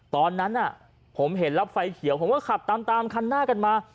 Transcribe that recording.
ตอนนั้นผมเห็นแล้วไฟเขียวผมก็ขับตามคันหน้ากันมา